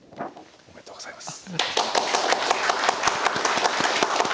おめでとうございます。